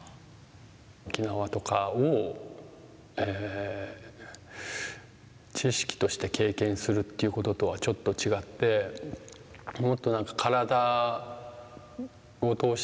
沖縄とかを知識として経験するっていうこととはちょっと違ってもっと体を通してっていうか